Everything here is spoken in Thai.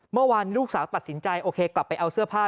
วันลูกสาวตัดสินใจโอเคกลับไปเอาเสื้อผ้า